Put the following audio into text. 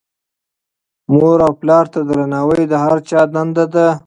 مور او پلار ته درناوی د هر چا دنده ده.